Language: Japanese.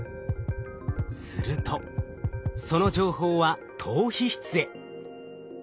するとその情報は島皮質へ。